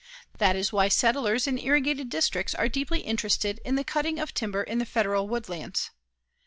That is why settlers in irrigated districts are deeply interested in the cutting of timber in the Federal woodlands.